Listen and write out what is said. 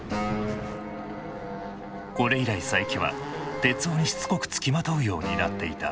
これ以来佐伯は徹生にしつこくつきまとうようになっていた。